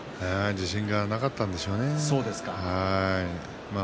自信がなかったんでしょうね。